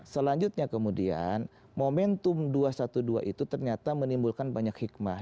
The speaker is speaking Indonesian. selanjutnya kemudian momentum dua ratus dua belas itu ternyata menimbulkan banyak hikmah